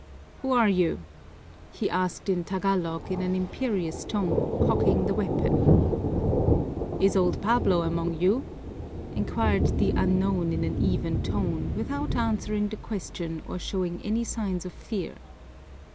"Who are you?" he asked in Tagalog in an imperious tone, cocking the weapon. "Is old Pablo among you?" inquired the unknown in an even tone, without answering the question or showing any signs of fear.